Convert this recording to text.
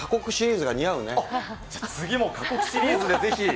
じゃあ、次も過酷シリーズでぜひ。